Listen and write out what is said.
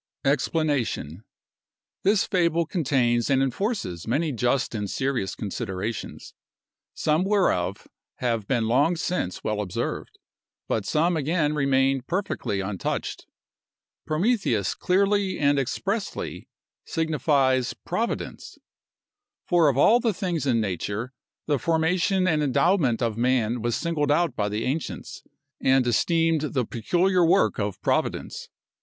EXPLANATION.—This fable contains and enforces many just and serious considerations; some whereof have been long since well observed, but some again remain perfectly untouched. Prometheus clearly and expressly signifies Providence; for of all the things in nature, the formation and endowment of man was singled out by the ancients, and esteemed the peculiar work of Providence.